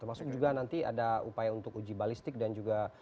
termasuk juga nanti ada upaya untuk uji balistik dan juga